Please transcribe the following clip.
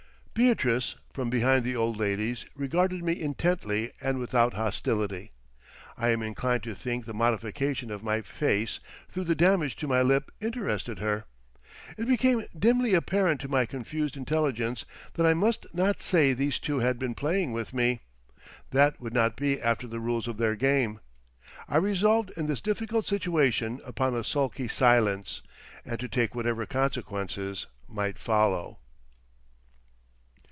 Beatrice, from behind the old ladies, regarded me intently and without hostility. I am inclined to think the modification of my face through the damage to my lip interested her. It became dimly apparent to my confused intelligence that I must not say these two had been playing with me. That would not be after the rules of their game. I resolved in this difficult situation upon a sulky silence, and to take whatever consequences might follow.